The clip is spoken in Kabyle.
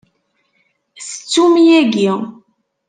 Tettum yagi.